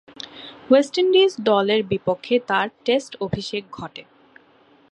West Indies দলের বিপক্ষে তার টেস্ট অভিষেক ঘটে।